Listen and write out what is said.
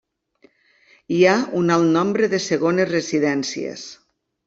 Hi ha un alt nombre de segones residències.